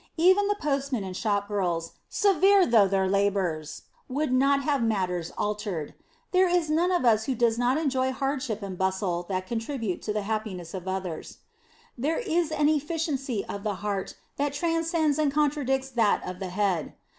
Even the postmen and shopgirls, severe though their labors, would not have matters altered. There is none of us who does not enjoy hardship and bustle that contribute to the happiness of others. There is an efficiency of the heart that transcends and contradicts that of the head.